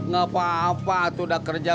gak apa apa tuh udah kerja